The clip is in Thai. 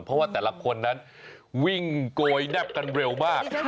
เพราะว่าแต่ละคนนั้นวิ่งโกยแนบกันเร็วมาก